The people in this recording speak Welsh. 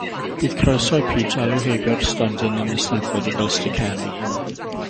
Bydd croeso i Pete alw heibio'r stondin yn y 'steddfod i gael sticeri.